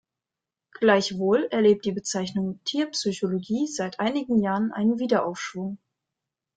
Gleichwohl erlebt die Bezeichnung "Tierpsychologie" seit einigen Jahren einen Wiederaufschwung.